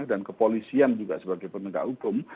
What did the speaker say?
dan kepolisian juga sebagai penegak hukum